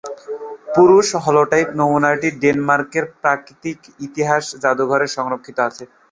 পুরুষ হলোটাইপ নমুনাটি ডেনমার্কের প্রাকৃতিক ইতিহাস জাদুঘরে সংরক্ষিত আছে।